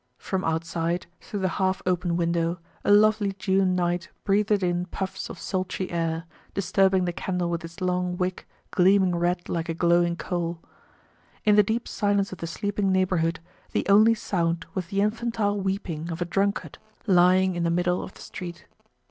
From outside, through the half open window, a lovely June night breathed in puffs of sultry air, disturbing the candle with its long wick gleaming red like a glowing coal. In the deep silence of the sleeping neighborhood the only sound was the infantile weeping of a drunkard lying in the middle of the street.